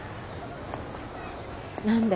何で？